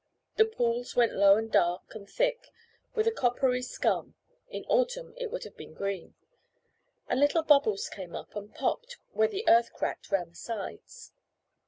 The pools went low and dark and thick with a coppery scum (in autumn it would have been green), and little bubbles came up and popped where the earth cracked round the sides.